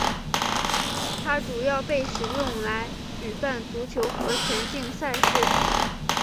它主要被使用来举办足球和田径赛事。